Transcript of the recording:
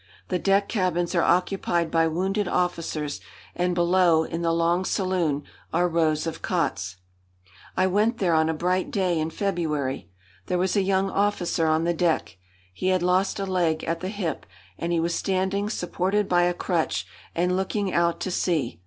The deck cabins are occupied by wounded officers, and below, in the long saloon, are rows of cots. I went there on a bright day in February. There was a young officer on the deck. He had lost a leg at the hip, and he was standing supported by a crutch and looking out to sea.